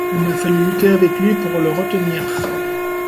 Il m’a fallu lutter avec lui pour le retenir.